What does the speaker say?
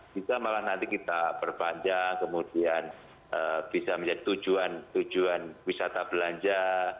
bisa malah nanti kita perpanjang kemudian bisa menjadi tujuan wisata belanja